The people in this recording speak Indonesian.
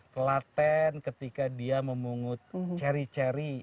telaten ketika dia memungut cherry cherry